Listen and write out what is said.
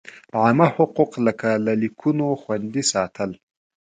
عامه حقوق لکه لیکونو خوندي ساتل.